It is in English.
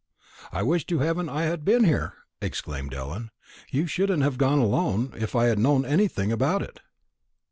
"I wish to heaven I had been here!" exclaimed Ellen; "you shouldn't have gone alone, if I had known anything about it."